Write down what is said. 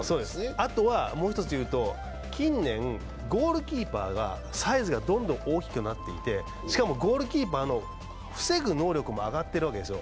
あとはもう一ついうと近年ゴールキーパーがサイズがどんどん大きくなっていてしかもゴールキーパーの防ぐ能力も上がっているわけです。